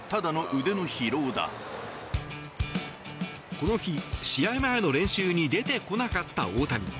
この日、試合前の練習に出てこなかった大谷。